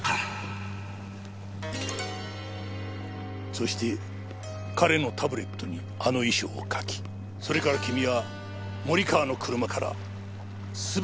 そして彼のタブレットにあの遺書を書きそれから君は森川の車から全ての痕跡を消した。